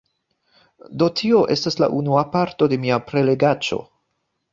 Do tio estas la unua parto de mia prelegaĉo